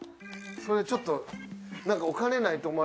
それちょっと。